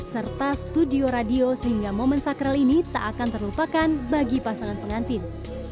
serta studio radio sehingga momen sakral ini tak akan terlupakan bagi pasangan pengantin